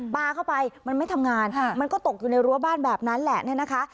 ปลาไปมันไม่ทำงานฮ่ะมันก็ตกอยู่ในรั้วบ้านแบบนั้นแหละนี่